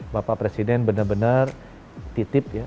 bapak presiden benar benar titip ya